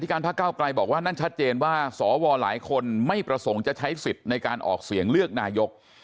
การพระเก้าไกลบอกว่านั่นชัดเจนว่าสวหลายคนไม่ประสงค์จะใช้สิทธิ์ในการออกเสียงเลือกนายก